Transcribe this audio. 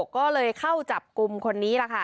ก็เลยเข้าจับกลุ่มคนนี้ล่ะค่ะ